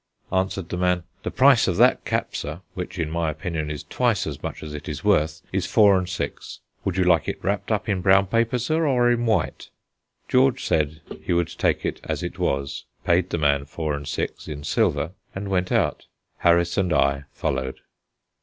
Answered the man: "The price of that cap, sir, which, in my opinion, is twice as much as it is worth, is four and six. Would you like it wrapped up in brown paper, sir, or in white?" George said he would take it as it was, paid the man four and six in silver, and went out. Harris and I followed.